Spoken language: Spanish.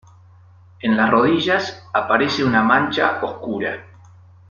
En las rodillas aparece una mancha oscura.